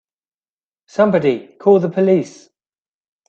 Somebody call the police!